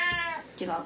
違う。